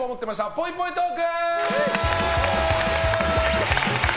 ぽいぽいトーク！